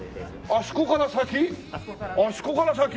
あそこから先？